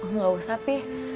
nggak usah pi